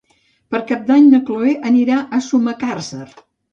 Per Cap d'Any na Cloè anirà a Sumacàrcer.